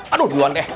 aduh duluan deh